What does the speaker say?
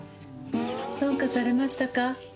どうかされましたか？